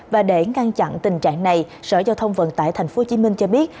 và để ngăn chặn tình trạng này sở giao thông vận tải tp hcm cho biết